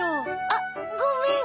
あっごめん！